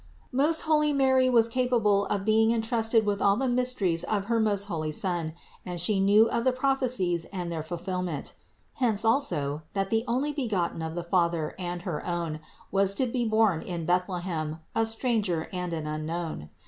449. Most holy Mary was capable of being entrusted with all the mysteries of her most holy Son and She knew of the prophecies and their fulfillment ; hence, also, that the Onlybegotten of the Father and her own was to be born in Bethlehem, a Stranger and an Unknown.